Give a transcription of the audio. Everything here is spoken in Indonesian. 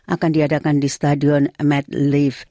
akan diadakan di stadion metlift